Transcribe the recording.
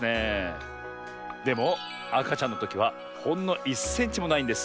でもあかちゃんのときはほんの１センチもないんです。